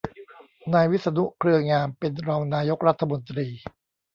นายวิษณุ เครืองาม เป็นรองนายกรัฐมนตรี